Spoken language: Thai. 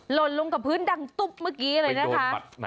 หล่นลงกับพื้นดังตุ๊บเมื่อกี้เลยนะคะ